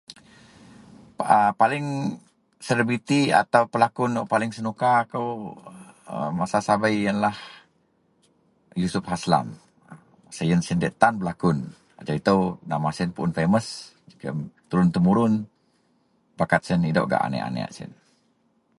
A paling seleberiti atau pelakon wak paling senuka kou masa sabei iyenlah Yusuf Haslan siyen diyak tan belakon ajau ito nama siyen puon famous turun temurun bakat siyen nidok gak anek-anek siyen.